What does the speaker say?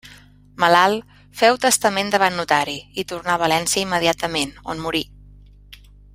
Malalt, féu testament davant notari, i tornà a València immediatament, on morí.